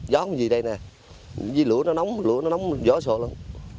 gió không gì đây nè lửa nó nóng lửa nó nóng gió sộ lắm